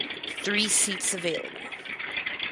Three seats available.